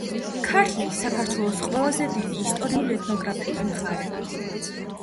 ქართლი - საქართველოს ყველაზე დიდი ისტორიულ-ეთნოგრაფიული მხარე.